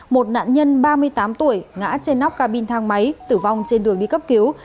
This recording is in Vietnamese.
một nạn nhân ba mươi tám tuổi ngã trên nóc ca bin thang máy tử vong trên đường đi cấp cứu